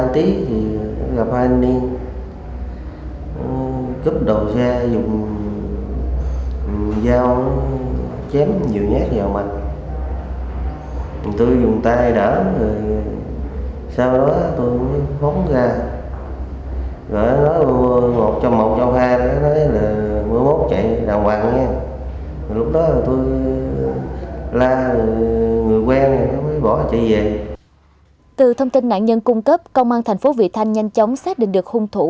từ thông tin nạn nhân cung cấp công an tp vị thanh nhanh chóng xác định được hung thủ